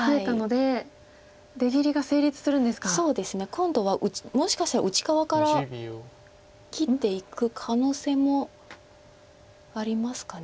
今度はもしかしたら内側から切っていく可能性もありますか。